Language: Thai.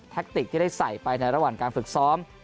ติกที่ได้ใส่ไปในระหว่างการฝึกซ้อม